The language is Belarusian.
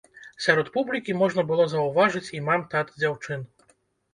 Сярод публікі можна было заўважыць і мам-тат дзяўчын.